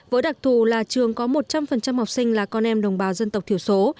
với đặc thù là trường có một trăm linh học sinh là con em đồng bào dân tộc thiểu số